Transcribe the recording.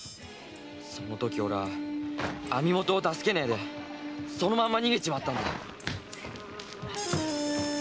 そのとき俺は網元を助けねえでそのまんま逃げちまったんだ。